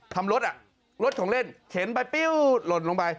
รถอ่ะรถรถของเล่นเข็นไปปิ้วหล่นลงไป